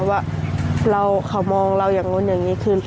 ว่าเขามองเราอย่างนู้นอย่างนี้คืน